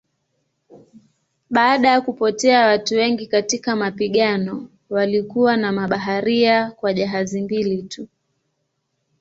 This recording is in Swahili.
Baada ya kupotea watu wengi katika mapigano walikuwa na mabaharia kwa jahazi mbili tu.